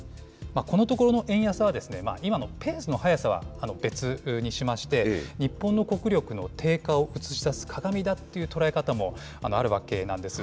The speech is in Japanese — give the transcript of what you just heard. このところの円安は、今のペースの速さは別にしまして、日本の国力の低下を映し出す鏡だっていう捉え方もあるわけなんです。